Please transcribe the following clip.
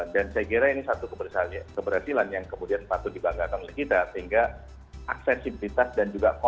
dan saya kira ini satu kebersihan yang kemudian patut dibanggakan oleh kita sehingga aksesibilitas dan juga koneksi